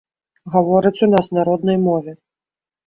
Гавораць у нас на роднай мове.